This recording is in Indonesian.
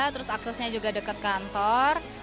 terus aksesnya juga dekat kantor